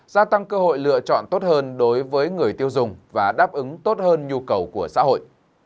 gia tăng cơ hội lựa chọn tốt hơn đối với người tiêu dùng và đáp ứng tốt hơn nhu cầu của xã hội